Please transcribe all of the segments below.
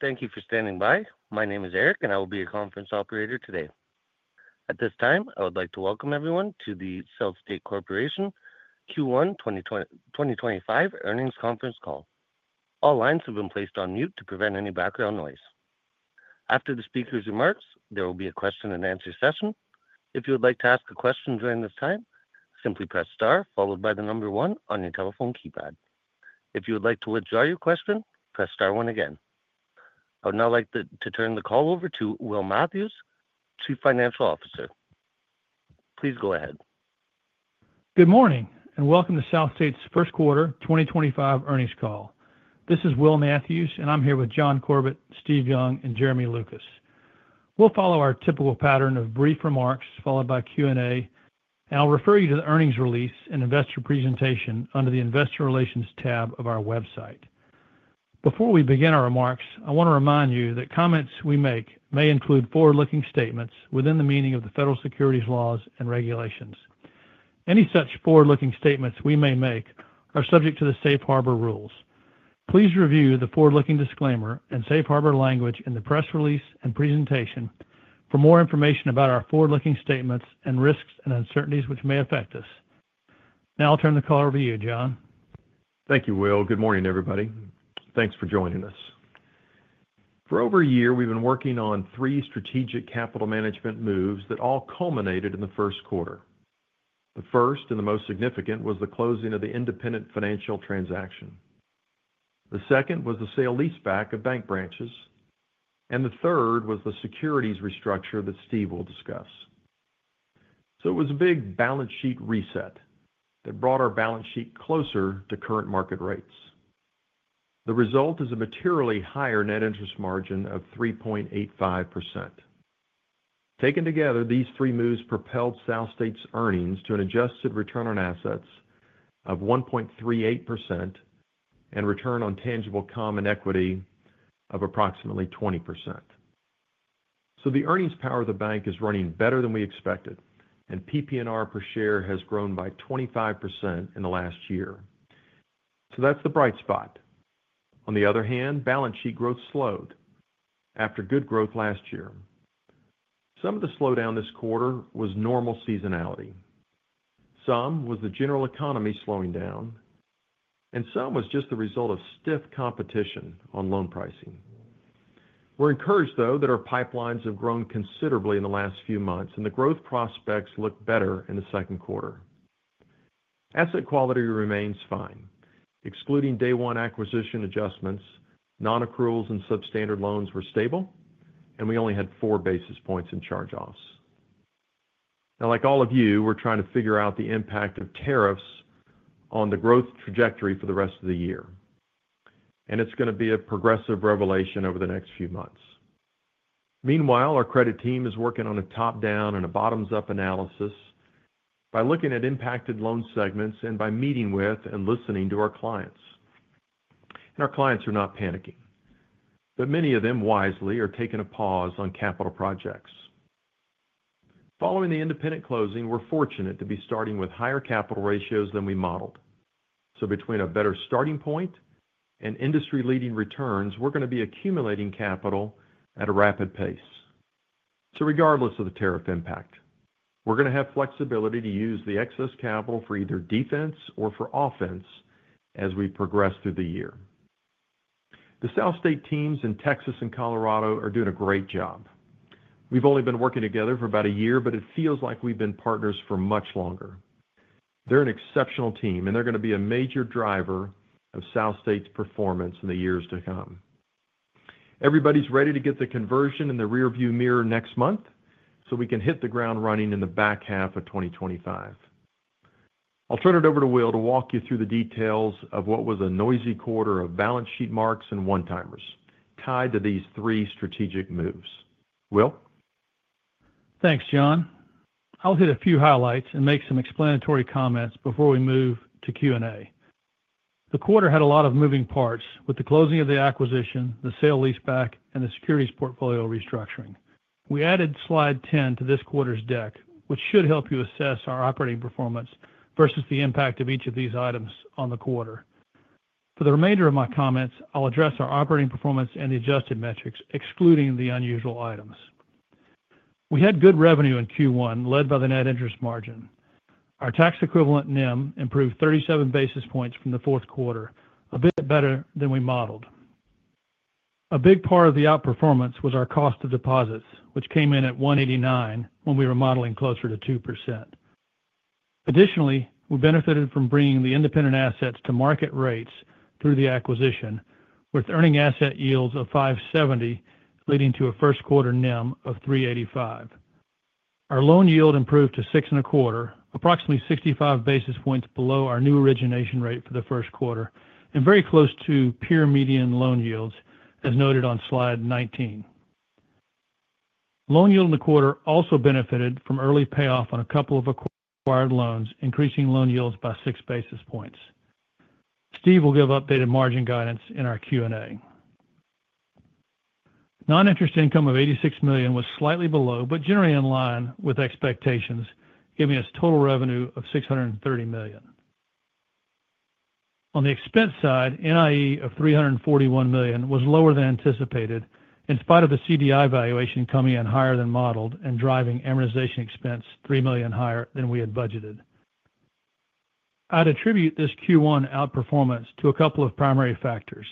Thank you for standing by. My name is Eric, and I will be your conference operator today. At this time, I would like to welcome everyone to the SouthState Corporation Q1 2025 earnings conference call. All lines have been placed on mute to prevent any background noise. After the speaker's remarks, there will be a question-and-answer session. If you would like to ask a question during this time, simply press star followed by the number one on your telephone keypad. If you would like to withdraw your question, press star one again. I would now like to turn the call over to Will Matthews, Chief Financial Officer. Please go ahead. Good morning, and welcome to SouthState's first quarter 2025 earnings call. This is Will Matthews, and I'm here with John Corbett, Steve Young, and Jeremy Lucas. We'll follow our typical pattern of brief remarks followed by Q&A, and I'll refer you to the earnings release and investor presentation under the Investor Relations tab of our website. Before we begin our remarks, I want to remind you that comments we make may include forward-looking statements within the meaning of the federal securities laws and regulations. Any such forward-looking statements we may make are subject to the safe harbor rules. Please review the forward-looking disclaimer and safe harbor language in the press release and presentation for more information about our forward-looking statements and risks and uncertainties which may affect us. Now I'll turn the call over to you, John. Thank you, Will. Good morning, everybody. Thanks for joining us. For over a year, we've been working on three strategic capital management moves that all culminated in the first quarter. The first, and the most significant, was the closing of the Independent Financial transaction. The second was the sale leaseback of bank branches, and the third was the securities restructure that Steve will discuss. It was a big balance sheet reset that brought our balance sheet closer to current market rates. The result is a materially higher net interest margin of 3.85%. Taken together, these three moves propelled SouthState's earnings to an adjusted return on assets of 1.38% and return on tangible common equity of approximately 20%. The earnings power of the bank is running better than we expected, and PPNR per share has grown by 25% in the last year. That is the bright spot. On the other hand, balance sheet growth slowed after good growth last year. Some of the slowdown this quarter was normal seasonality. Some was the general economy slowing down, and some was just the result of stiff competition on loan pricing. We're encouraged, though, that our pipelines have grown considerably in the last few months, and the growth prospects look better in the second quarter. Asset quality remains fine. Excluding day one acquisition adjustments, non-accruals and substandard loans were stable, and we only had four basis points in charge-offs. Now, like all of you, we're trying to figure out the impact of tariffs on the growth trajectory for the rest of the year, and it's going to be a progressive revelation over the next few months. Meanwhile, our credit team is working on a top-down and a bottoms-up analysis by looking at impacted loan segments and by meeting with and listening to our clients. Our clients are not panicking, but many of them wisely are taking a pause on capital projects. Following the Independent closing, we're fortunate to be starting with higher capital ratios than we modeled. Between a better starting point and industry-leading returns, we're going to be accumulating capital at a rapid pace. Regardless of the tariff impact, we're going to have flexibility to use the excess capital for either defense or for offense as we progress through the year. The SouthState teams in Texas and Colorado are doing a great job. We've only been working together for about a year, but it feels like we've been partners for much longer. They're an exceptional team, and they're going to be a major driver of SouthState's performance in the years to come. Everybody's ready to get the conversion in the rearview mirror next month so we can hit the ground running in the back half of 2025. I'll turn it over to Will to walk you through the details of what was a noisy quarter of balance sheet marks and one-timers tied to these three strategic moves. Will? Thanks, John. I'll hit a few highlights and make some explanatory comments before we move to Q&A. The quarter had a lot of moving parts with the closing of the acquisition, the sale leaseback, and the securities portfolio restructuring. We added slide 10 to this quarter's deck, which should help you assess our operating performance versus the impact of each of these items on the quarter. For the remainder of my comments, I'll address our operating performance and the adjusted metrics, excluding the unusual items. We had good revenue in Q1, led by the net interest margin. Our tax equivalent NIM improved 37 basis points from the fourth quarter, a bit better than we modeled. A big part of the outperformance was our cost of deposits, which came in at 189 when we were modeling closer to 2%. Additionally, we benefited from bringing the Independent assets to market rates through the acquisition, with earning asset yields of 5.70%, leading to a first quarter NIM of 3.85%. Our loan yield improved to 6.25%, approximately 65 basis points below our new origination rate for the first quarter, and very close to peer median loan yields, as noted on slide 19. Loan yield in the quarter also benefited from early payoff on a couple of acquired loans, increasing loan yields by six basis points. Steve will give updated margin guidance in our Q&A. Non-interest income of $86 million was slightly below but generally in line with expectations, giving us total revenue of $630 million. On the expense side, NIE of $341 million was lower than anticipated, in spite of the CDI valuation coming in higher than modeled and driving amortization expense $3 million higher than we had budgeted. I'd attribute this Q1 outperformance to a couple of primary factors: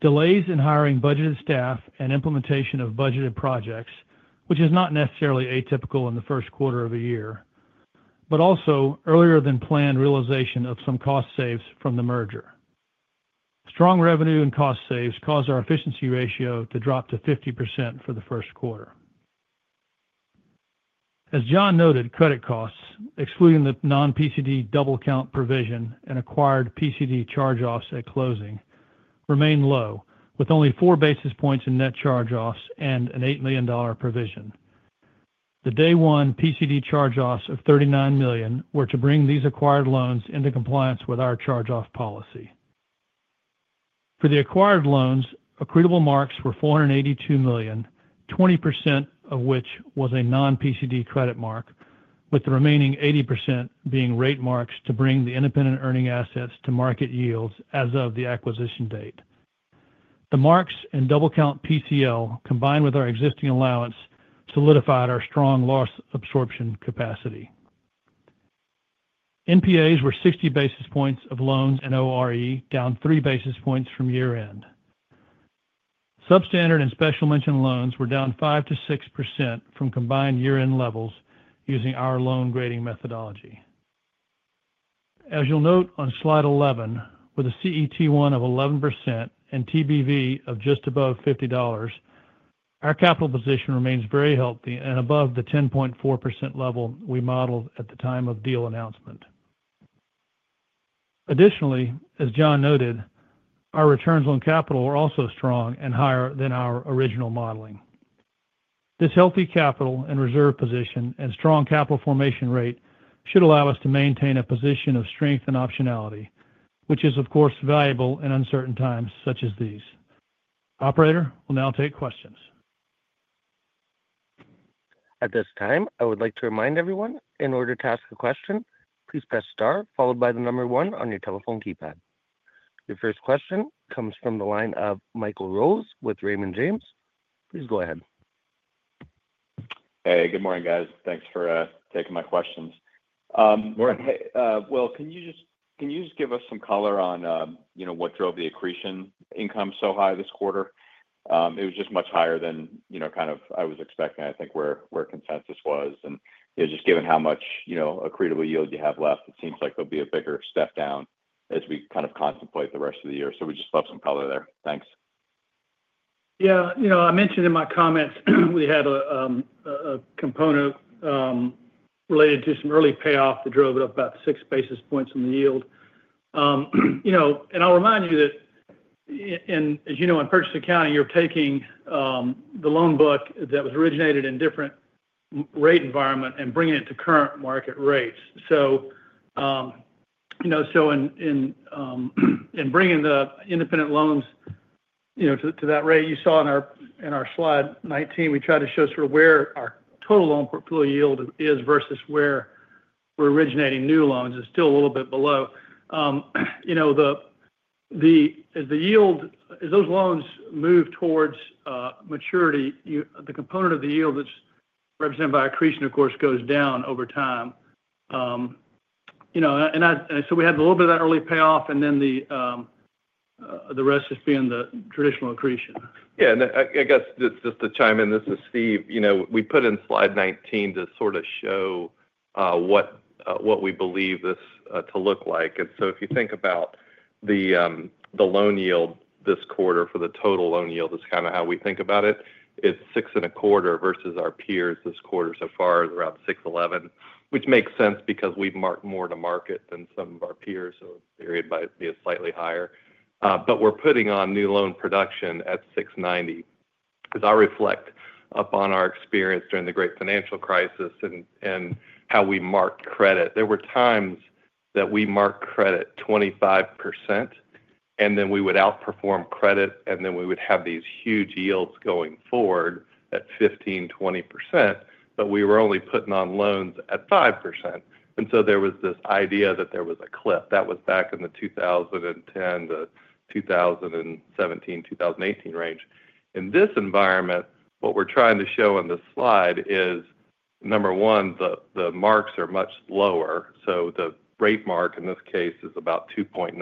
delays in hiring budgeted staff and implementation of budgeted projects, which is not necessarily atypical in the first quarter of a year, but also earlier-than-planned realization of some cost saves from the merger. Strong revenue and cost saves caused our efficiency ratio to drop to 50% for the first quarter. As John noted, credit costs, excluding the non-PCD double-count provision and acquired PCD charge-offs at closing, remained low, with only four basis points in net charge-offs and an $8 million provision. The day one PCD charge-offs of $39 million were to bring these acquired loans into compliance with our charge-off policy. For the acquired loans, accruable marks were $482 million, 20% of which was a non-PCD credit mark, with the remaining 80% being rate marks to bring the Independent earning assets to market yields as of the acquisition date. The marks and double-count PCL, combined with our existing allowance, solidified our strong loss absorption capacity. NPAs were 60 basis points of loans and ORE, down three basis points from year-end. Substandard and special mention loans were down 5-6% from combined year-end levels using our loan grading methodology. As you'll note on slide 11, with a CET1 of 11% and TBV of just above $50, our capital position remains very healthy and above the 10.4% level we modeled at the time of deal announcement. Additionally, as John noted, our returns on capital were also strong and higher than our original modeling. This healthy capital and reserve position and strong capital formation rate should allow us to maintain a position of strength and optionality, which is, of course, valuable in uncertain times such as these. Operator will now take questions. At this time, I would like to remind everyone, in order to ask a question, please press star followed by the number one on your telephone keypad. Your first question comes from the line of Michael Rose with Raymond James. Please go ahead. Hey, good morning, guys. Thanks for taking my questions. Can you just give us some color on what drove the accretion income so high this quarter? It was just much higher than kind of I was expecting, I think, where consensus was. Just given how much accretable yield you have left, it seems like there'll be a bigger step down as we kind of contemplate the rest of the year. We just love some color there. Thanks. Yeah. I mentioned in my comments we had a component related to some early payoff that drove it up about six basis points on the yield. I'll remind you that, as you know, in purchase accounting, you're taking the loan book that was originated in a different rate environment and bringing it to current market rates. In bringing the Independent loans to that rate, you saw in our slide 19, we tried to show sort of where our total loan portfolio yield is versus where we're originating new loans. It's still a little bit below. As those loans move towards maturity, the component of the yield that's represented by accretion, of course, goes down over time. We had a little bit of that early payoff, and then the rest is being the traditional accretion. Yeah. I guess just to chime in, this is Steve. We put in slide 19 to sort of show what we believe this to look like. If you think about the loan yield this quarter for the total loan yield, that's kind of how we think about it. It's six and a quarter versus our peers this quarter so far, around 6.11, which makes sense because we've marked more to market than some of our peers, so it's varied by a slightly higher. We're putting on new loan production at 6.90. As I reflect upon our experience during the great financial crisis and how we marked credit, there were times that we marked credit 25%, and then we would outperform credit, and then we would have these huge yields going forward at 15%-20%, but we were only putting on loans at 5%. There was this idea that there was a cliff. That was back in the 2010 to 2017, 2018 range. In this environment, what we are trying to show on this slide is, number one, the marks are much lower. The rate mark in this case is about 2.9%,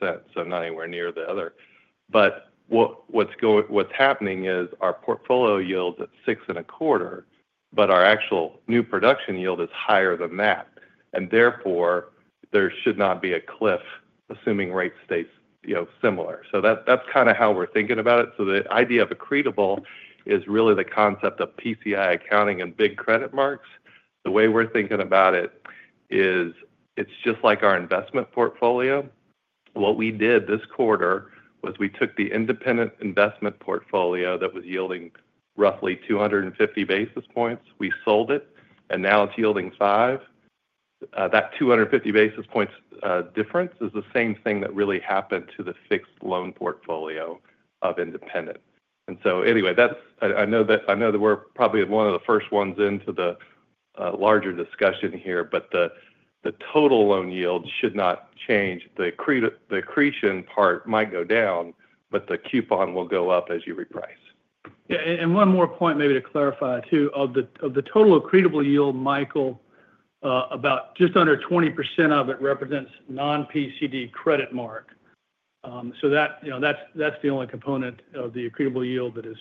so not anywhere near the other. What is happening is our portfolio yields at six and a quarter, but our actual new production yield is higher than that. Therefore, there should not be a cliff, assuming rate stays similar. That is kind of how we are thinking about it. The idea of accretable is really the concept of PCI accounting and big credit marks. The way we are thinking about it is it is just like our investment portfolio. What we did this quarter was we took the independent investment portfolio that was yielding roughly 250 basis points. We sold it, and now it's yielding five. That 250 basis points difference is the same thing that really happened to the fixed loan portfolio of Independent. Anyway, I know that we're probably one of the first ones into the larger discussion here, but the total loan yield should not change. The accretion part might go down, but the coupon will go up as you reprice. Yeah. One more point, maybe to clarify too. Of the total accretable yield, Michael, just under 20% of it represents non-PCD credit mark. That is the only component of the accretable yield that is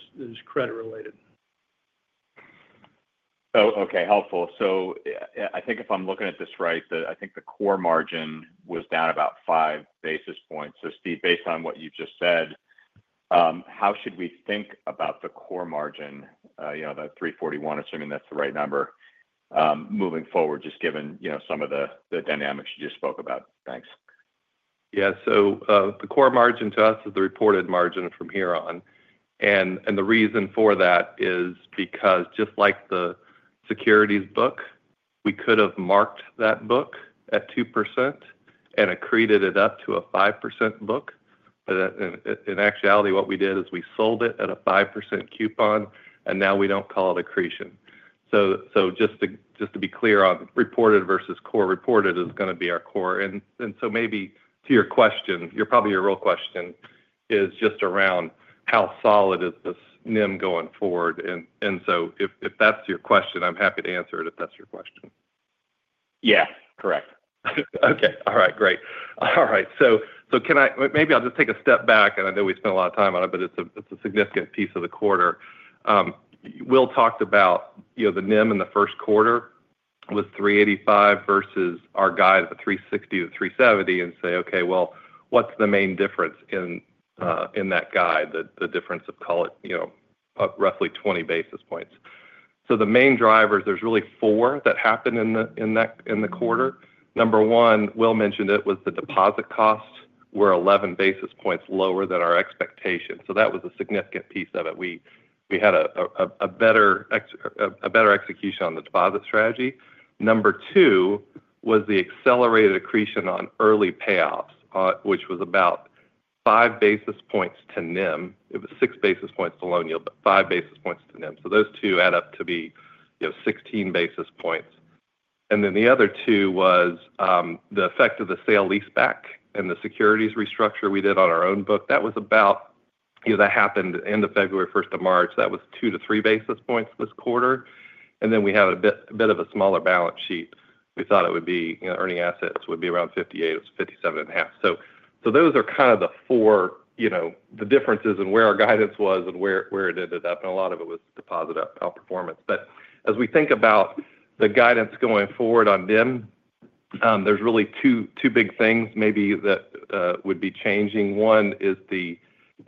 credit-related. Oh, okay. Helpful. I think if I'm looking at this right, I think the core margin was down about five basis points. Steve, based on what you've just said, how should we think about the core margin, that 341, assuming that's the right number, moving forward, just given some of the dynamics you just spoke about? Thanks. Yeah. The core margin to us is the reported margin from here on. The reason for that is because just like the securities book, we could have marked that book at 2% and accreted it up to a 5% book. In actuality, what we did is we sold it at a 5% coupon, and now we do not call it accretion. Just to be clear on reported versus core, reported is going to be our core. Maybe to your question, probably your real question is just around how solid is this NIM going forward. If that is your question, I am happy to answer it if that is your question. Yes. Correct. Okay. All right. Great. All right. Maybe I'll just take a step back, and I know we spent a lot of time on it, but it's a significant piece of the quarter. Will talked about the NIM in the first quarter was 3.85% versus our guide of 3.60%-3.70% and say, "Okay, what's the main difference in that guide, the difference of, call it, roughly 20 basis points?" The main drivers, there's really four that happened in the quarter. Number one, Will mentioned it was the deposit costs were 11 basis points lower than our expectation. That was a significant piece of it. We had a better execution on the deposit strategy. Number two was the accelerated accretion on early payoffs, which was about five basis points to NIM. It was six basis points to loan yield, but five basis points to NIM. Those two add up to be 16 basis points. The other two was the effect of the sale leaseback and the securities restructure we did on our own book. That was about that happened end of February, 1st of March. That was two to three basis points this quarter. We had a bit of a smaller balance sheet. We thought it would be earning assets would be around $58 billion. It was $57.5 billion. Those are kind of the four, the differences in where our guidance was and where it ended up. A lot of it was deposit outperformance. As we think about the guidance going forward on NIM, there are really two big things maybe that would be changing. One is the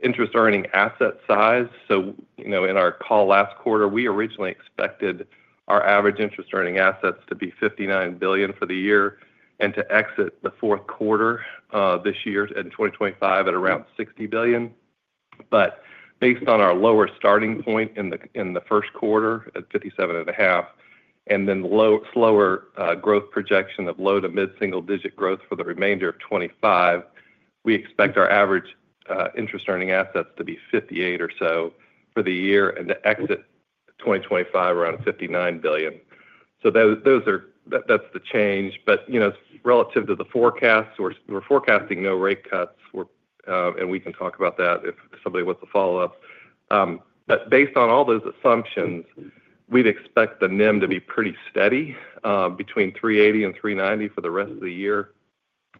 interest earning asset size. In our call last quarter, we originally expected our average interest earning assets to be $59 billion for the year and to exit the fourth quarter this year in 2025 at around $60 billion. Based on our lower starting point in the first quarter at $57.5 billion, and then slower growth projection of low to mid-single digit growth for the remainder of 2025, we expect our average interest earning assets to be $58 billion or so for the year and to exit 2025 around $59 billion. That is the change. Relative to the forecasts, we are forecasting no rate cuts, and we can talk about that if somebody wants to follow up. Based on all those assumptions, we'd expect the NIM to be pretty steady between 380 and 390 for the rest of the year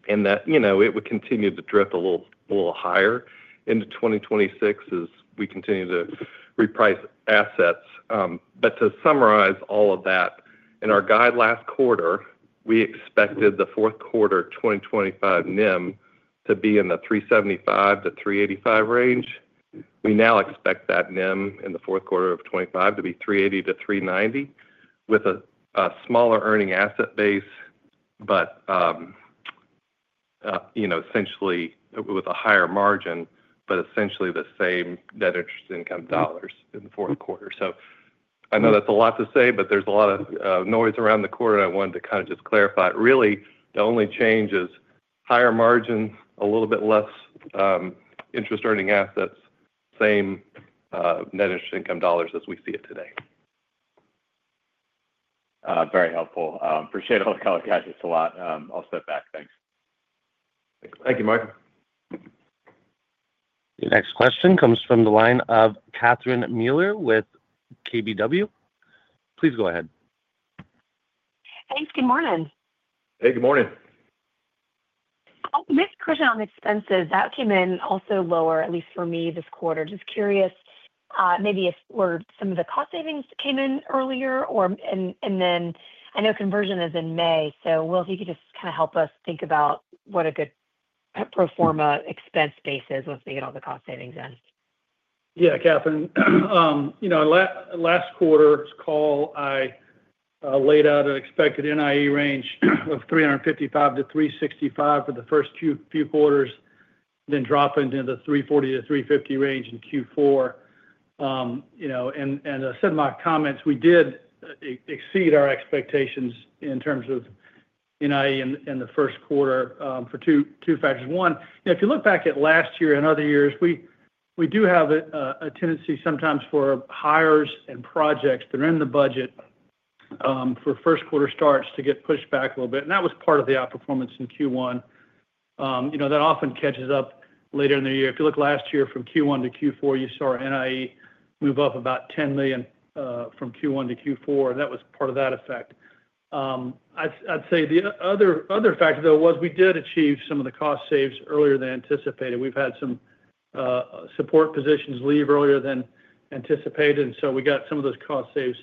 and that it would continue to drift a little higher into 2026 as we continue to reprice assets. To summarize all of that, in our guide last quarter, we expected the fourth quarter 2025 NIM to be in the 375-385 range. We now expect that NIM in the fourth quarter of 2025 to be 380-390 with a smaller earning asset base, but essentially with a higher margin, but essentially the same net interest income dollars in the fourth quarter. I know that's a lot to say, but there's a lot of noise around the quarter, and I wanted to kind of just clarify it. Really, the only change is higher margin, a little bit less interest earning assets, same net interest income dollars as we see it today. Very helpful. Appreciate all the color, guys. It's a lot. I'll step back. Thanks. Thank you, Michael. Next question comes from the line of Catherine Mealor with KBW. Please go ahead. Hey. Good morning. Hey. Good morning. Oh, my question on expenses. That came in also lower, at least for me this quarter. Just curious maybe if some of the cost savings came in earlier or in the end. I know conversion is in May. Will, if you could just kind of help us think about what a good pro forma expense base is once we get all the cost savings in. Yeah, Catherine. Last quarter's call, I laid out an expected NIE range of $355 million-$365 million for the first few quarters, then dropping into the $340 million-$350 million range in Q4. I said in my comments, we did exceed our expectations in terms of NIE in the first quarter for two factors. One, if you look back at last year and other years, we do have a tendency sometimes for hires and projects that are in the budget for first quarter starts to get pushed back a little bit. That was part of the outperformance in Q1. That often catches up later in the year. If you look last year from Q1 to Q4, you saw our NIE move up about $10 million from Q1 to Q4. That was part of that effect. I'd say the other factor, though, was we did achieve some of the cost saves earlier than anticipated. We've had some support positions leave earlier than anticipated, and so we got some of those cost saves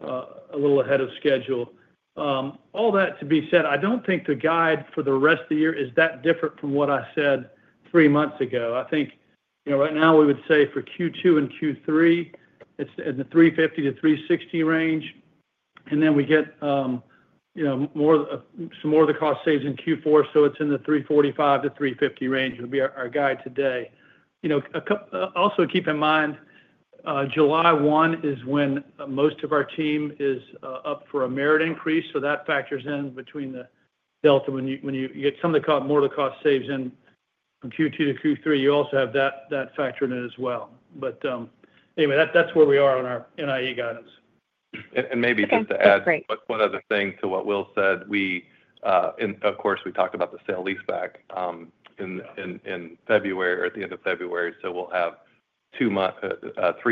a little ahead of schedule. All that to be said, I don't think the guide for the rest of the year is that different from what I said three months ago. I think right now we would say for Q2 and Q3, it's in the $350-$360 range. We get some more of the cost saves in Q4, so it's in the $345-$350 range would be our guide today. Also, keep in mind, July 1 is when most of our team is up for a merit increase. That factors in between the delta when you get some of the more of the cost saves in from Q2 to Q3. You also have that factor in it as well. Anyway, that's where we are on our NIE guidance. Maybe just to add one other thing to what Will said, of course, we talked about the sale leaseback in February or at the end of February. We'll have three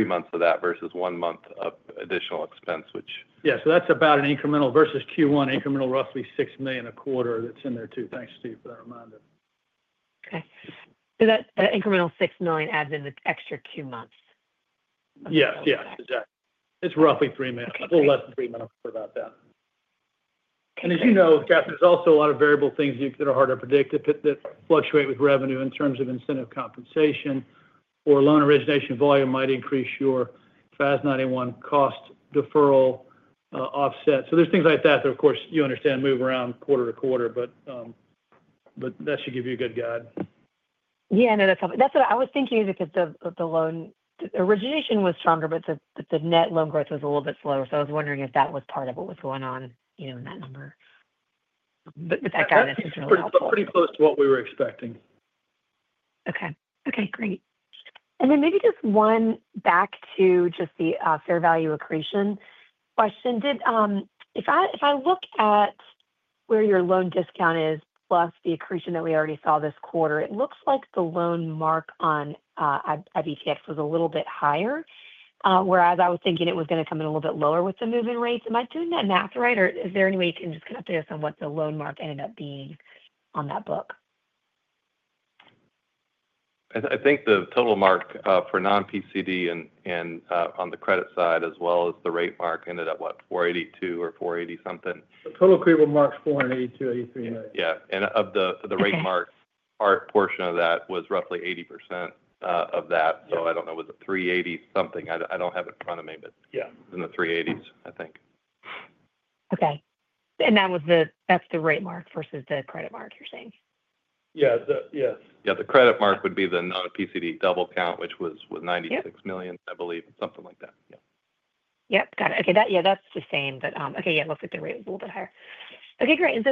months of that versus one month of additional expense, which. Yeah. That is about an incremental versus Q1 incremental, roughly $6 million a quarter that is in there too. Thanks, Steve, for that reminder. Okay. So that incremental $6 million adds in the extra two months. Yes. Yeah. Exactly. It's roughly three months, a little less than three months for about that. As you know, Kathryn, there's also a lot of variable things that are hard to predict that fluctuate with revenue in terms of incentive compensation or loan origination volume might increase your FAS 91 cost deferral offset. There's things like that that, of course, you understand move around quarter to quarter, but that should give you a good guide. Yeah. No, that's helpful. That's what I was thinking is because the loan origination was stronger, but the net loan growth was a little bit slower. I was wondering if that was part of what was going on in that number. That guidance is really helpful. It's pretty close to what we were expecting. Okay. Okay. Great. Maybe just one back to just the fair value accretion question. If I look at where your loan discount is plus the accretion that we already saw this quarter, it looks like the loan mark on IBTX was a little bit higher, whereas I was thinking it was going to come in a little bit lower with the moving rates. Am I doing that math right? Or is there any way you can just kind of say something what the loan mark ended up being on that book? I think the total mark for non-PCD and on the credit side as well as the rate mark ended up, what, 482 or 480 something. The total accretable mark's $482.83 million. Yeah. Of the rate mark portion of that, it was roughly 80% of that. I do not know, was it 380 something? I do not have it in front of me, but it is in the 380s, I think. Okay. That is the rate mark versus the credit mark, you are saying? Yeah. Yes. Yeah. The credit mark would be the non-PCD double count, which was $96 million, I believe, something like that. Yeah. Yep. Got it. Okay. Yeah. That's the same. Okay. Yeah. It looks like the rate was a little bit higher. Okay. Great.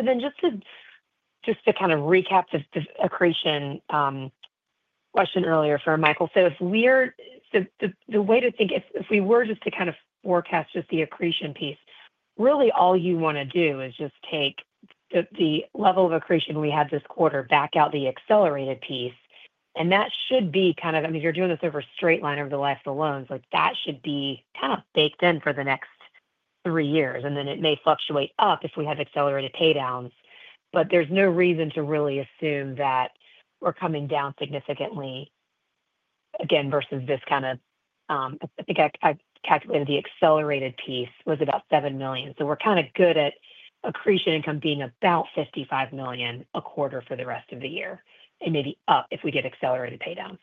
Just to kind of recap this accretion question earlier for Michael. The way to think, if we were just to kind of forecast just the accretion piece, really all you want to do is just take the level of accretion we had this quarter, back out the accelerated piece. That should be kind of, I mean, you're doing this over a straight line over the last loans. That should be kind of baked in for the next three years. It may fluctuate up if we have accelerated paydowns. There's no reason to really assume that we're coming down significantly again versus this kind of, I think I calculated the accelerated piece was about $7 million. We're kind of good at accretion income being about $55 million a quarter for the rest of the year and maybe up if we get accelerated paydowns.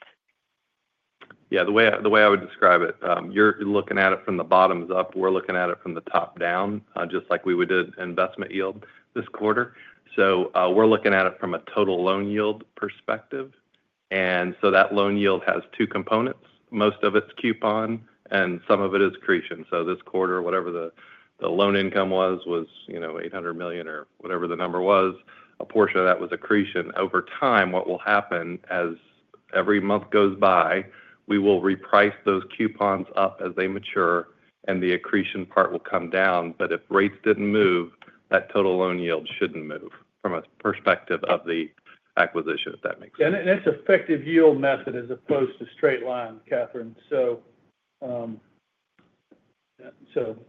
Yeah. The way I would describe it, you're looking at it from the bottoms up. We're looking at it from the top down, just like we would do investment yield this quarter. We're looking at it from a total loan yield perspective. That loan yield has two components. Most of it's coupon and some of it is accretion. This quarter, whatever the loan income was, was $800 million or whatever the number was, a portion of that was accretion. Over time, what will happen as every month goes by, we will reprice those coupons up as they mature, and the accretion part will come down. If rates did not move, that total loan yield should not move from a perspective of the acquisition, if that makes sense. That is effective yield method as opposed to straight line, Kathryn. So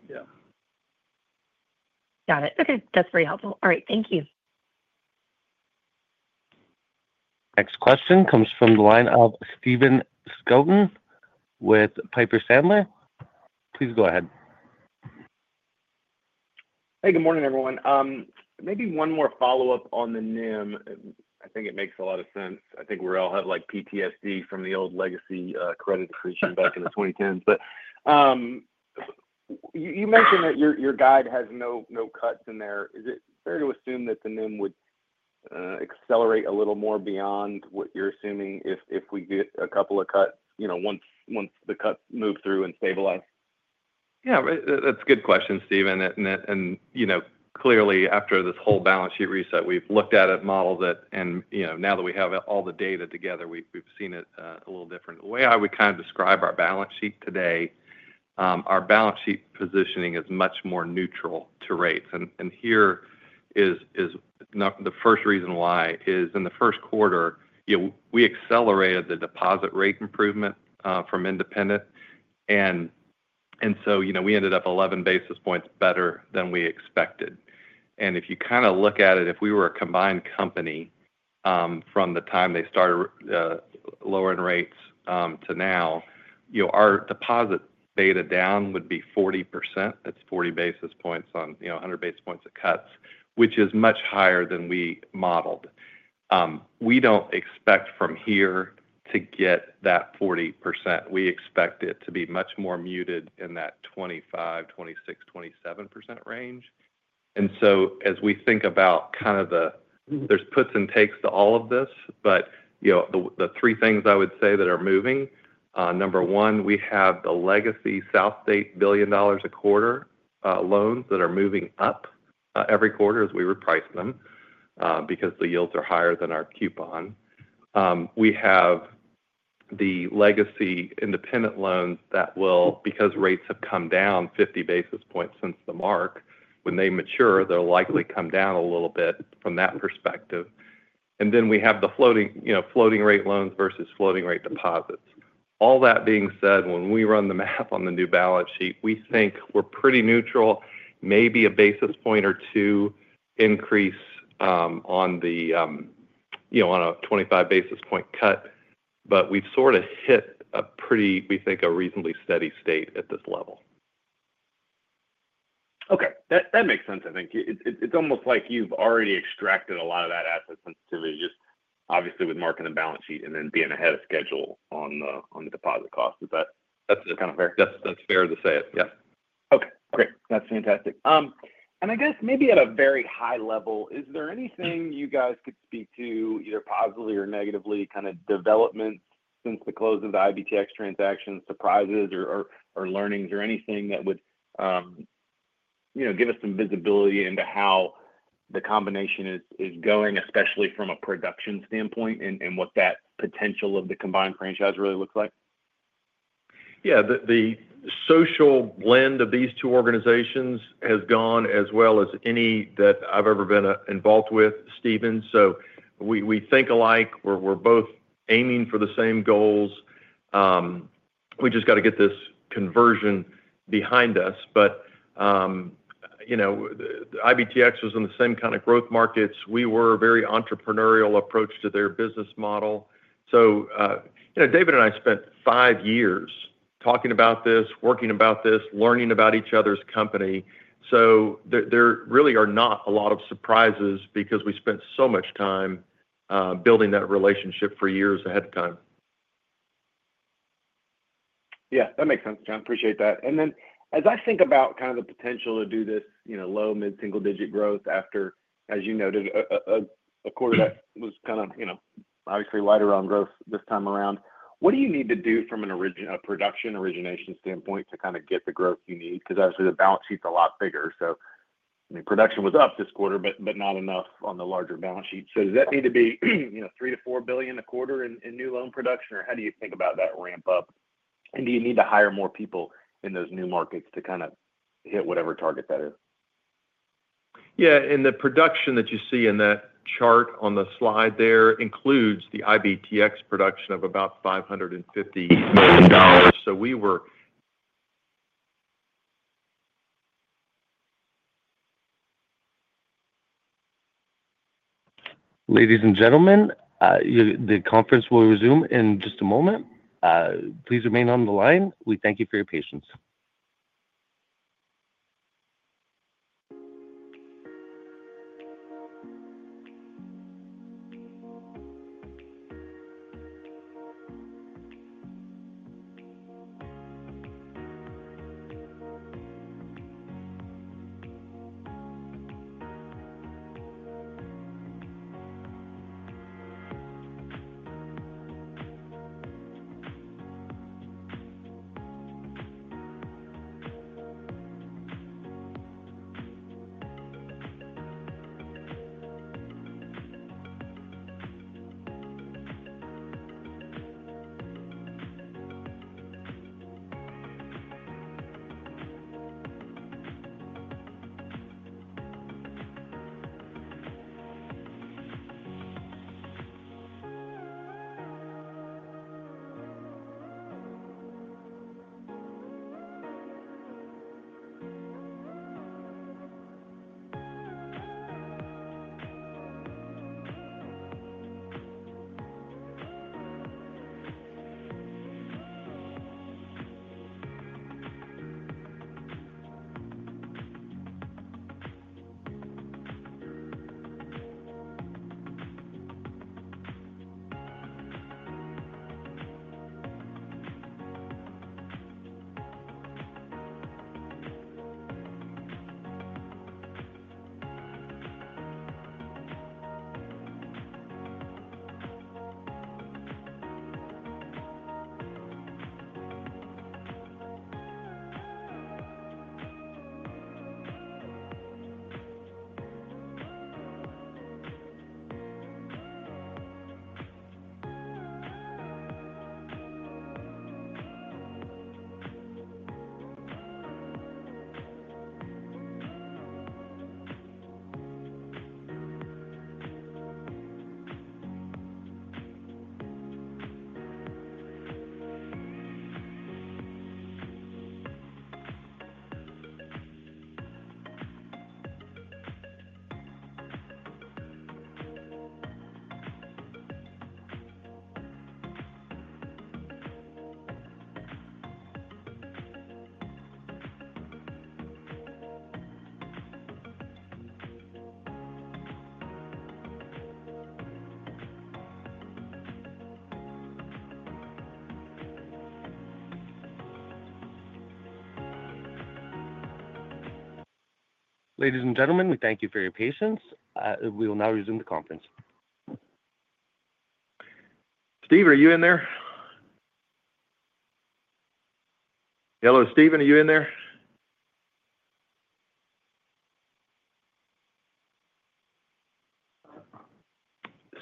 yeah. Got it. Okay. That's very helpful. All right. Thank you. Next question comes from the line of Stephen Scouten with Piper Sandler. Please go ahead. Hey. Good morning, everyone. Maybe one more follow-up on the NIM. I think it makes a lot of sense. I think we all have PTSD from the old legacy credit accretion back in the 2010s. You mentioned that your guide has no cuts in there. Is it fair to assume that the NIM would accelerate a little more beyond what you're assuming if we get a couple of cuts once the cuts move through and stabilize? Yeah. That's a good question, Stephen. Clearly, after this whole balance sheet reset, we've looked at it, modeled it, and now that we have all the data together, we've seen it a little different. The way I would kind of describe our balance sheet today, our balance sheet positioning is much more neutral to rates. Here is the first reason why: in the first quarter, we accelerated the deposit rate improvement from Independent. We ended up 11 basis points better than we expected. If you kind of look at it, if we were a combined company from the time they started lowering rates to now, our deposit beta down would be 40%. That's 40 basis points on 100 basis points of cuts, which is much higher than we modeled. We do not expect from here to get that 40%. We expect it to be much more muted in that 25-27% range. As we think about kind of the there's puts and takes to all of this, the three things I would say that are moving, number one, we have the legacy SouthState billion-dollars-a-quarter loans that are moving up every quarter as we reprice them because the yields are higher than our coupon. We have the legacy independent loans that will, because rates have come down 50 basis points since the mark, when they mature, they'll likely come down a little bit from that perspective. We have the floating rate loans versus floating rate deposits. All that being said, when we run the math on the new balance sheet, we think we're pretty neutral, maybe a basis point or two increase on a 25 basis point cut. We have sort of hit a pretty, we think, a reasonably steady state at this level. Okay. That makes sense, I think. It's almost like you've already extracted a lot of that asset sensitivity, just obviously with marking the balance sheet and then being ahead of schedule on the deposit cost. Is that kind of fair? That's fair to say it. Yeah. Okay. Great. That's fantastic. I guess maybe at a very high level, is there anything you guys could speak to, either positively or negatively, kind of developments since the close of the IBTX transaction, surprises or learnings or anything that would give us some visibility into how the combination is going, especially from a production standpoint and what that potential of the combined franchise really looks like? Yeah. The social blend of these two organizations has gone as well as any that I've ever been involved with, Steven. We think alike. We're both aiming for the same goals. We just got to get this conversion behind us. IBTX was in the same kind of growth markets. We were a very entrepreneurial approach to their business model. David and I spent five years talking about this, working about this, learning about each other's company. There really are not a lot of surprises because we spent so much time building that relationship for years ahead of time. Yeah. That makes sense, John. Appreciate that. As I think about kind of the potential to do this low, mid-single-digit growth after, as you noted, a quarter that was kind of obviously lighter on growth this time around, what do you need to do from a production origination standpoint to kind of get the growth you need? Because obviously, the balance sheet's a lot bigger. I mean, production was up this quarter, but not enough on the larger balance sheet. Does that need to be $3 billion-$4 billion a quarter in new loan production? How do you think about that ramp-up? Do you need to hire more people in those new markets to kind of hit whatever target that is? Yeah. The production that you see in that chart on the slide there includes the IBTX production of about $550 million. We were. Ladies and gentlemen, the conference will resume in just a moment. Please remain on the line. We thank you for your patience. Ladies and gentlemen, we thank you for your patience. We will now resume the conference. Steve, are you in there? Hello, Steven, are you in there?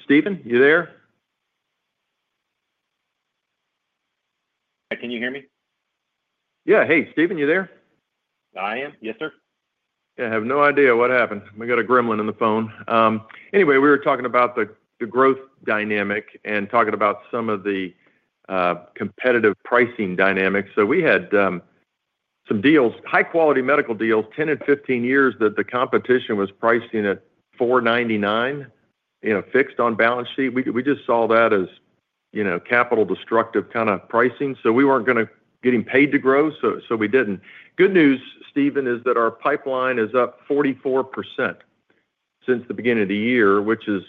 Steven, you there? Can you hear me? Yeah. Hey, Steven, you there? I am. Yes, sir. Yeah. I have no idea what happened. We got a gremlin on the phone. Anyway, we were talking about the growth dynamic and talking about some of the competitive pricing dynamics. We had some deals, high-quality medical deals, 10 and 15 years that the competition was pricing at 4.99% fixed on balance sheet. We just saw that as capital-destructive kind of pricing. We were not getting paid to grow, so we did not. Good news, Steven, is that our pipeline is up 44% since the beginning of the year, which is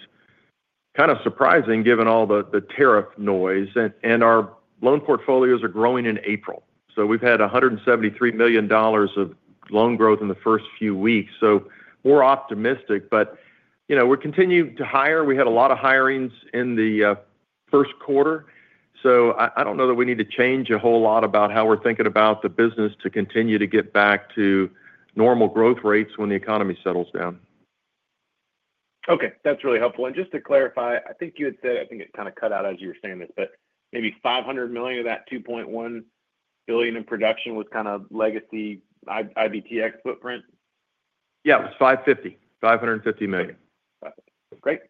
kind of surprising given all the tariff noise. Our loan portfolios are growing in April. We have had $173 million of loan growth in the first few weeks. We are optimistic, but we continue to hire. We had a lot of hirings in the first quarter. I don't know that we need to change a whole lot about how we're thinking about the business to continue to get back to normal growth rates when the economy settles down. Okay. That's really helpful. Just to clarify, I think you had said, I think it kind of cut out as you were saying this, but maybe $500 million of that $2.1 billion in production was kind of legacy IBTX footprint? Yeah. It was $550 million, $550 million. Great.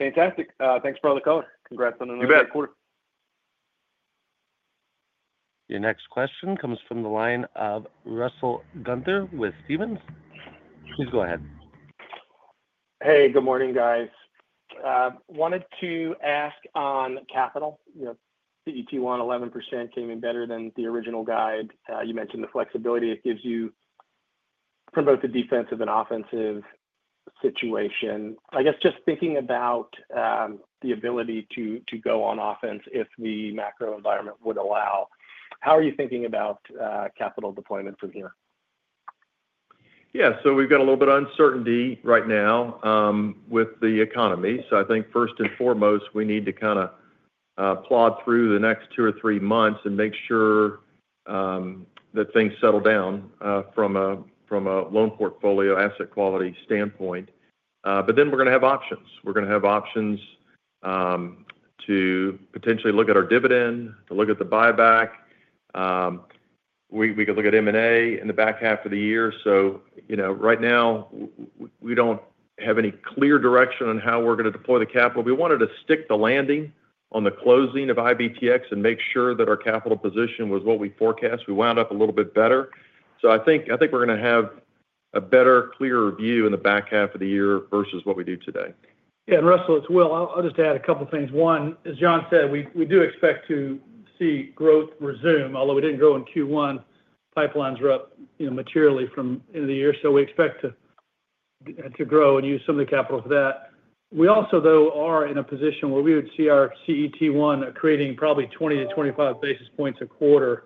Fantastic. Thanks, Brother Corbett. Congrats on another great quarter. Your next question comes from the line of Russell Gunther with Stephens. Please go ahead. Hey. Good morning, guys. Wanted to ask on capital. CET1, 11% came in better than the original guide. You mentioned the flexibility it gives you from both a defensive and offensive situation. I guess just thinking about the ability to go on offense if the macro environment would allow, how are you thinking about capital deployment from here? Yeah. We have a little bit of uncertainty right now with the economy. I think first and foremost, we need to kind of plod through the next two or three months and make sure that things settle down from a loan portfolio asset quality standpoint. We are going to have options. We are going to have options to potentially look at our dividend, to look at the buyback. We could look at M&A in the back half of the year. Right now, we do not have any clear direction on how we are going to deploy the capital. We wanted to stick the landing on the closing of IBTX and make sure that our capital position was what we forecast. We wound up a little bit better. I think we're going to have a better, clearer view in the back half of the year versus what we do today. Yeah. Russell as well. I'll just add a couple of things. One, as John said, we do expect to see growth resume, although we didn't grow in Q1. Pipelines were up materially from the end of the year. We expect to grow and use some of the capital for that. We also, though, are in a position where we would see our CET1 creating probably 20-25 basis points a quarter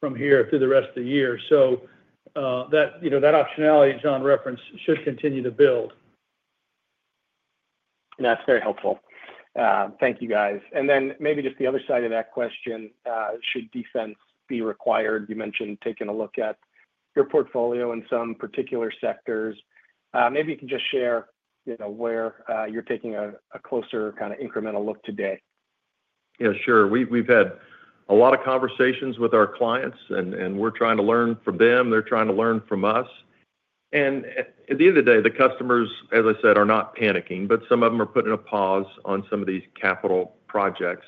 from here through the rest of the year. That optionality John referenced should continue to build. That's very helpful. Thank you, guys. Maybe just the other side of that question, should defense be required? You mentioned taking a look at your portfolio in some particular sectors. Maybe you can just share where you're taking a closer kind of incremental look today. Yeah. Sure. We've had a lot of conversations with our clients, and we're trying to learn from them. They're trying to learn from us. At the end of the day, the customers, as I said, are not panicking, but some of them are putting a pause on some of these capital projects.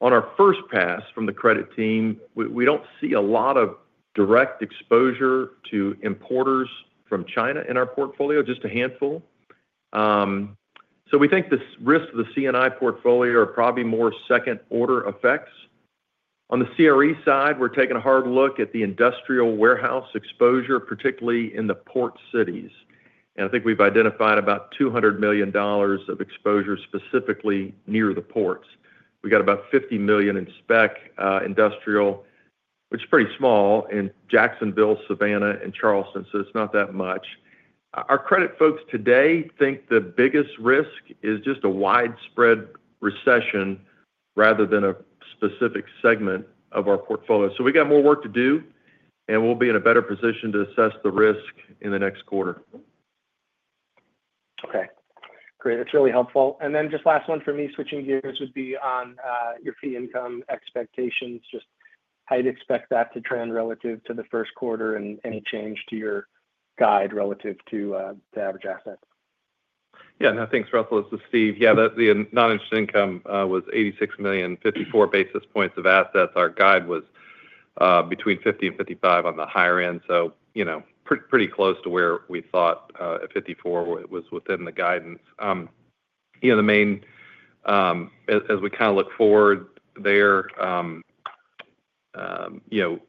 On our first pass from the credit team, we don't see a lot of direct exposure to importers from China in our portfolio, just a handful. We think the risks of the C&I portfolio are probably more second-order effects. On the CRE side, we're taking a hard look at the industrial warehouse exposure, particularly in the port cities. I think we've identified about $200 million of exposure specifically near the ports. We got about $50 million in spec industrial, which is pretty small in Jacksonville, Savannah, and Charleston. It's not that much. Our credit folks today think the biggest risk is just a widespread recession rather than a specific segment of our portfolio. We got more work to do, and we'll be in a better position to assess the risk in the next quarter. Okay. Great. That's really helpful. Just last one for me, switching gears, would be on your fee income expectations, just how you'd expect that to trend relative to the first quarter and any change to your guide relative to average assets. Yeah. No, thanks, Russell. This is Steve. Yeah. The non-interest income was $86 million, 54 basis points of assets. Our guide was between 50 and 55 on the higher end, so pretty close to where we thought 54 was within the guidance. The main, as we kind of look forward there,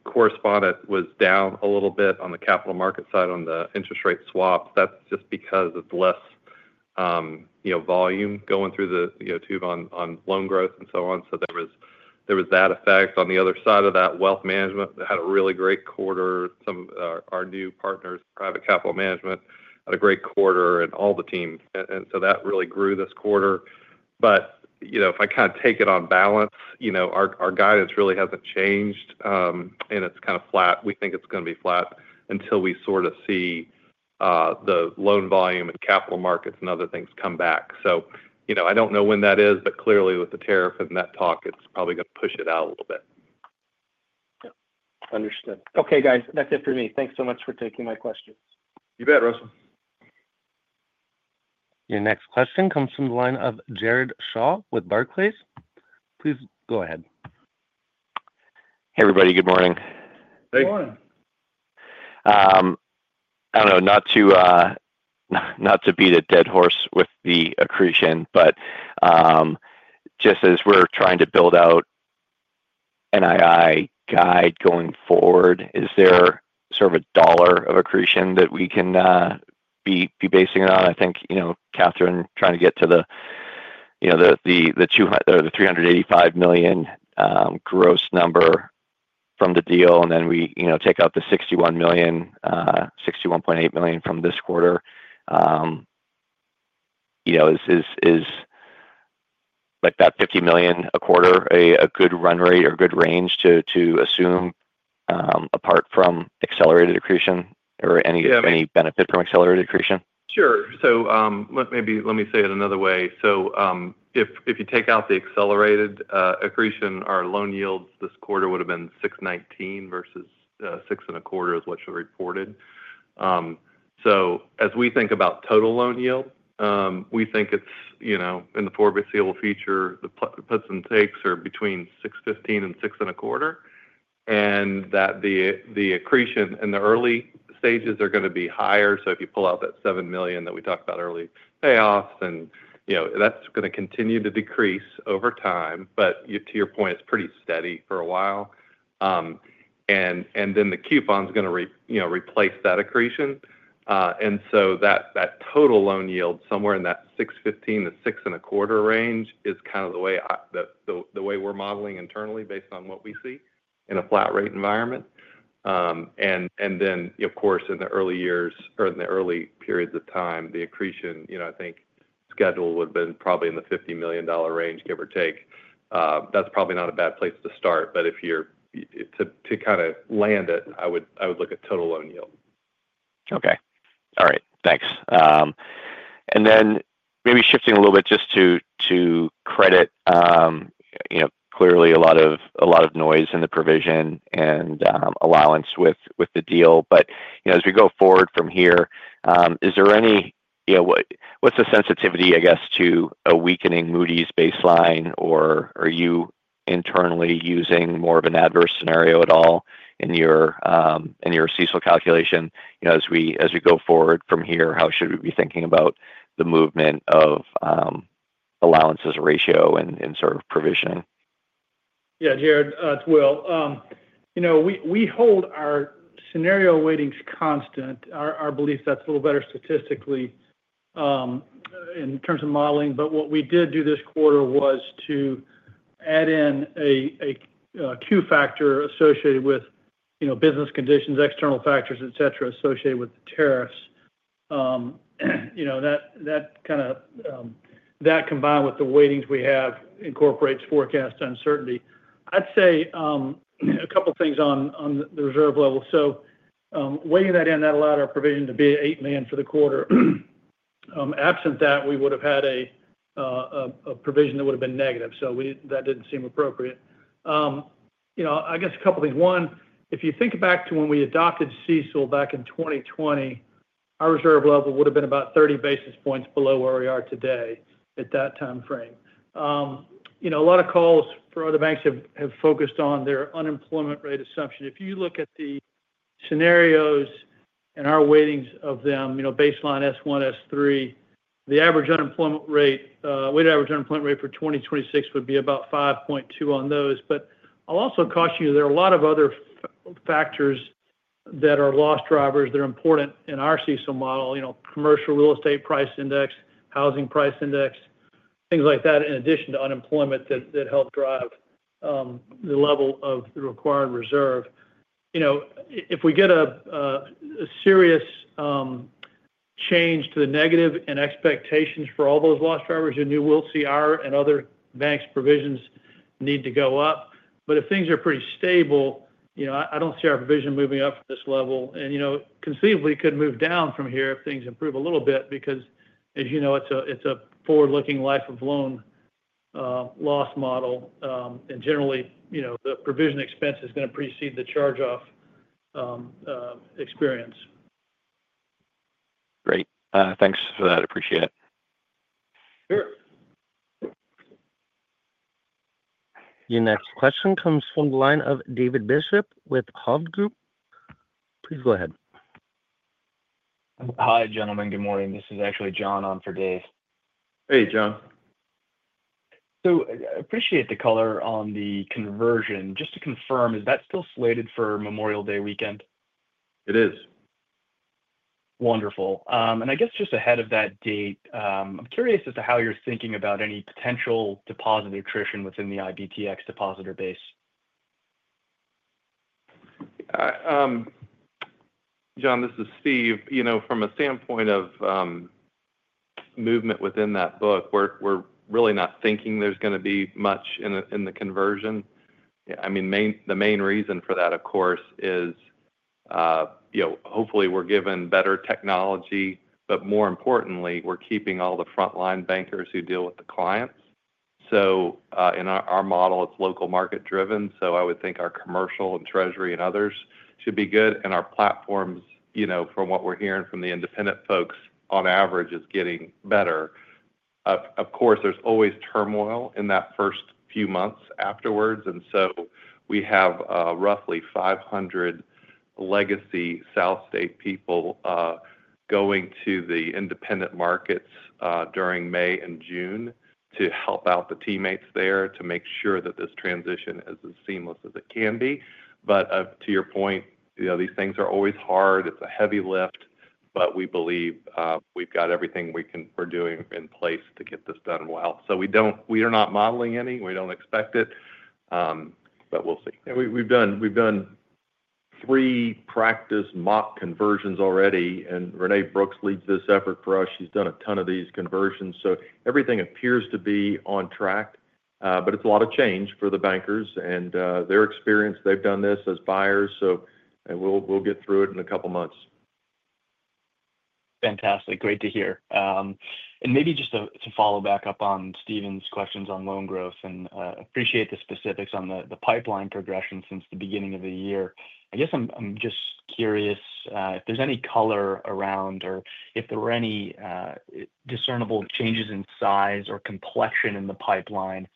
correspondent was down a little bit on the capital market side on the interest rate swaps. That is just because of less volume going through the tube on loan growth and so on. There was that effect. On the other side of that, wealth management had a really great quarter. Some of our new partners, Private Capital Management, had a great quarter, and all the team. That really grew this quarter. If I kind of take it on balance, our guidance really has not changed, and it is kind of flat. We think it's going to be flat until we sort of see the loan volume and capital markets and other things come back. I don't know when that is, but clearly, with the tariff and that talk, it's probably going to push it out a little bit. Understood. Okay, guys. That's it for me. Thanks so much for taking my questions. You bet, Russell. Your next question comes from the line of Jared Shaw with Barclays. Please go ahead. Hey, everybody. Good morning. Good morning. I don't know. Not to beat a dead horse with the accretion, but just as we're trying to build out NII guide going forward, is there sort of a dollar of accretion that we can be basing it on? I think Catherine trying to get to the $385 million gross number from the deal, and then we take out the $61 million, $61.8 million from this quarter, is that $50 million a quarter a good run rate or good range to assume apart from accelerated accretion or any benefit from accelerated accretion? Sure. Maybe let me say it another way. If you take out the accelerated accretion, our loan yields this quarter would have been 6.19% versus 6.25% is what you reported. As we think about total loan yield, we think in the forward-visible future, the puts and takes are between 6.15%-6.25%, and the accretion in the early stages is going to be higher. If you pull out that $7 million that we talked about, early payoffs, that is going to continue to decrease over time. To your point, it is pretty steady for a while. The coupon is going to replace that accretion. That total loan yield somewhere in that 615-6 and a quarter range is kind of the way we are modeling internally based on what we see in a flat rate environment. Of course, in the early years or in the early periods of time, the accretion, I think, schedule would have been probably in the $50 million range, give or take. That is probably not a bad place to start. To kind of land it, I would look at total loan yield. Okay. All right. Thanks. Maybe shifting a little bit just to credit, clearly, a lot of noise in the provision and allowance with the deal. As we go forward from here, is there any, what's the sensitivity, I guess, to a weakening Moody's baseline, or are you internally using more of an adverse scenario at all in your CECL calculation? As we go forward from here, how should we be thinking about the movement of allowance ratio and sort of provisioning? Yeah. Jared as well. We hold our scenario weightings constant. Our belief that's a little better statistically in terms of modeling. What we did do this quarter was to add in a Q factor associated with business conditions, external factors, etc., associated with the tariffs. That combined with the weightings we have incorporates forecast uncertainty. I'd say a couple of things on the reserve level. Weighing that in, that allowed our provision to be $8 million for the quarter. Absent that, we would have had a provision that would have been negative. That did not seem appropriate. I guess a couple of things. One, if you think back to when we adopted CECL back in 2020, our reserve level would have been about 30 basis points below where we are today at that time frame. A lot of calls for other banks have focused on their unemployment rate assumption. If you look at the scenarios and our weightings of them, baseline S1, S3, the average unemployment rate, weighted average unemployment rate for 2026 would be about 5.2% on those. I'll also caution you, there are a lot of other factors that are loss drivers that are important in our CECL model: commercial real estate price index, housing price index, things like that, in addition to unemployment that help drive the level of the required reserve. If we get a serious change to the negative and expectations for all those loss drivers, you know we'll see our and other banks' provisions need to go up. If things are pretty stable, I don't see our provision moving up from this level. Conceivably, it could move down from here if things improve a little bit because, as you know, it's a forward-looking life of loan loss model. Generally, the provision expense is going to precede the charge-off experience. Great. Thanks for that. Appreciate it. Sure. Your next question comes from the line of David Bishop with Hovde Group. Please go ahead. Hi, gentlemen. Good morning. This is actually John on for Dave. Hey, John. I appreciate the color on the conversion. Just to confirm, is that still slated for Memorial Day weekend? It is. Wonderful. I guess just ahead of that date, I'm curious as to how you're thinking about any potential deposit attrition within the IBTX depositor base. John, this is Steve. From a standpoint of movement within that book, we're really not thinking there's going to be much in the conversion. I mean, the main reason for that, of course, is hopefully we're given better technology, but more importantly, we're keeping all the frontline bankers who deal with the clients. In our model, it's local market driven. I would think our commercial and treasury and others should be good. Our platforms, from what we're hearing from the Independent folks, on average is getting better. Of course, there's always turmoil in that first few months afterwards. We have roughly 500 legacy SouthState people going to the Independent markets during May and June to help out the teammates there to make sure that this transition is as seamless as it can be. To your point, these things are always hard. It's a heavy lift, but we believe we've got everything we're doing in place to get this done well. We are not modeling any. We don't expect it, but we'll see. We've done three practice mock conversions already, and Renee Brooks leads this effort for us. She's done a ton of these conversions. Everything appears to be on track, but it's a lot of change for the bankers and their experience. They've done this as buyers, so we'll get through it in a couple of months. Fantastic. Great to hear. Maybe just to follow back up on Steven's questions on loan growth, and I appreciate the specifics on the pipeline progression since the beginning of the year. I guess I'm just curious if there's any color around or if there were any discernible changes in size or complexion in the pipeline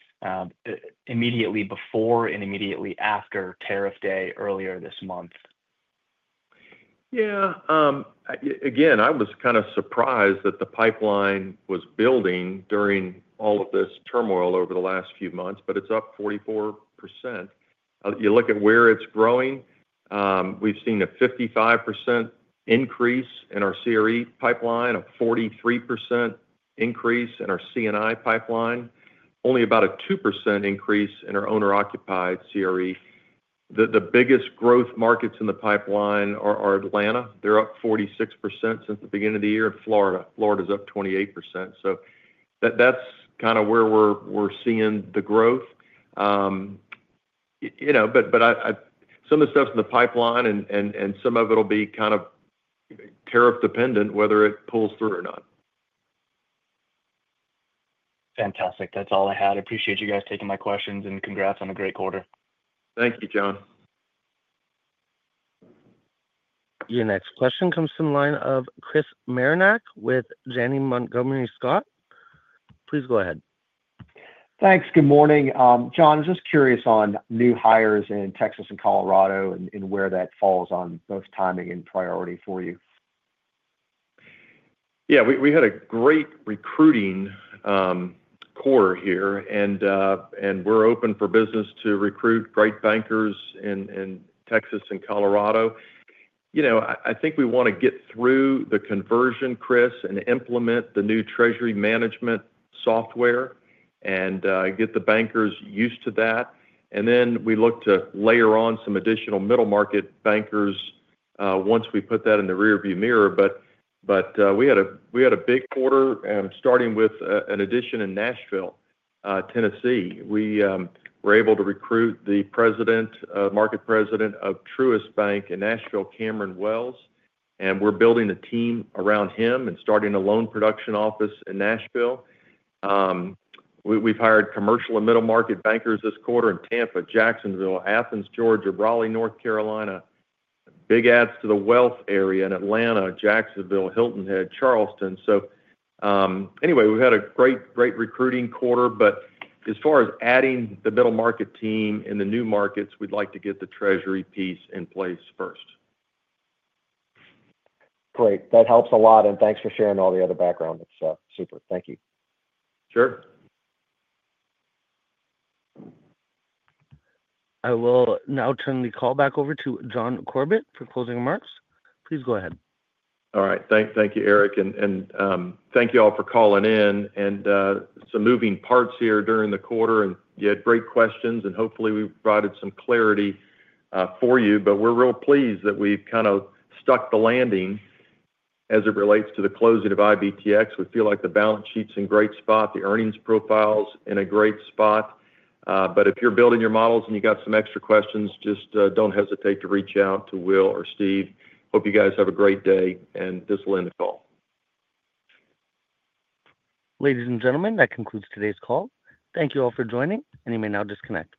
immediately before and immediately after tariff day earlier this month. Yeah. Again, I was kind of surprised that the pipeline was building during all of this turmoil over the last few months, but it's up 44%. You look at where it's growing, we've seen a 55% increase in our CRE pipeline, a 43% increase in our C&I pipeline, only about a 2% increase in our owner-occupied CRE. The biggest growth markets in the pipeline are Atlanta. They're up 46% since the beginning of the year, and Florida is up 28%. That's kind of where we're seeing the growth. Some of the stuff's in the pipeline, and some of it will be kind of tariff-dependent, whether it pulls through or not. Fantastic. That's all I had. I appreciate you guys taking my questions and congrats on a great quarter. Thank you, John. Your next question comes from the line of Chris Marinac with Janney Montgomery Scott. Please go ahead. Thanks. Good morning. John, I'm just curious on new hires in Texas and Colorado and where that falls on both timing and priority for you. Yeah. We had a great recruiting quarter here, and we're open for business to recruit great bankers in Texas and Colorado. I think we want to get through the conversion, Chris, and implement the new treasury management software and get the bankers used to that. We look to layer on some additional middle market bankers once we put that in the rearview mirror. We had a big quarter starting with an addition in Nashville, Tennessee. We were able to recruit the market president of Truist Bank in Nashville, Cameron Wells, and we're building a team around him and starting a loan production office in Nashville. We've hired commercial and middle market bankers this quarter in Tampa, Jacksonville, Athens, Georgia, Raleigh, North Carolina, big ads to the wealth area in Atlanta, Jacksonville, Hilton Head, Charleston. Anyway, we've had a great recruiting quarter. As far as adding the middle market team in the new markets, we'd like to get the treasury piece in place first. Great. That helps a lot. Thanks for sharing all the other background. It's super. Thank you. Sure. I will now turn the call back over to John Corbett for closing remarks. Please go ahead. All right. Thank you, Eric. Thank you all for calling in. Some moving parts here during the quarter, and you had great questions, and hopefully we provided some clarity for you. We are real pleased that we have kind of stuck the landing as it relates to the closing of IBTX. We feel like the balance sheet is in a great spot, the earnings profile is in a great spot. If you are building your models and you have some extra questions, just do not hesitate to reach out to Will or Steve. Hope you guys have a great day, and this will end the call. Ladies and gentlemen, that concludes today's call. Thank you all for joining, and you may now disconnect.